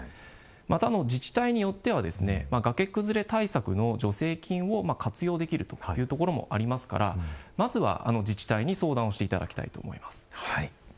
また自治体によっては崖崩れ対策の助成金を活用できるというところもありますからまずは自治体に相談をしていただきたいと思います。